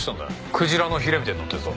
くじらのヒレみたいになってるぞ。